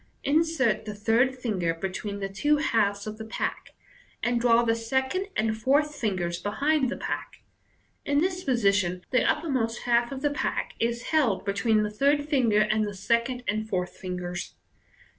Insert the third finger between the two halves of the pack, and draw the second and fourth fingers behind the pack. In this position, the uppermost half of the pack is held be tween the third finger and the second and fourth fin gers.